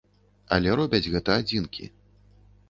Але робяць гэта адзінкі.